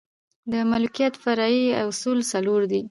د ملوکیت فرعي اصول څلور دي.